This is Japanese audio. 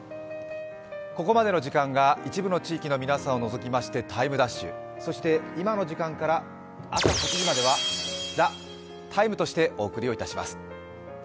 ここまでの時間が一部の地域の皆さんを除きまして「ＴＩＭＥ’」、そして今の時間から朝８時までは「ＴＨＥＴＩＭＥ，」としてお届けします。